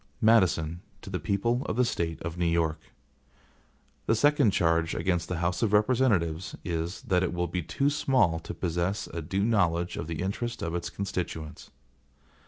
MADISON To the People of the State of New York: THE SECOND charge against the House of Representatives is, that it will be too small to possess a due knowledge of the interests of its constituents.